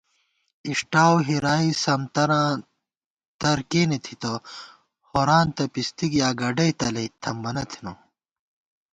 اِݭٹاؤ ہِرائی سمتراں ترکېنےتھِتہ ہورانتہ پِستِک یا گڈَئی تلَئ تھمبَنہ تھنہ